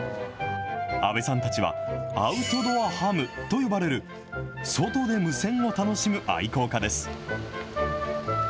阿部さんたちは、アウトドアハムと呼ばれる、外で無線を楽しむ愛好家です。